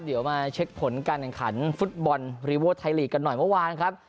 เดี๋ยวมาเช็คผลการแข่งขันฟุตบอลรีโวไทยลีกกันหน่อยเมื่อวานครับ